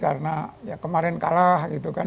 karena ya kemarin kalah gitu kan